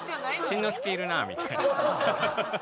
「真之介いるな」みたいな。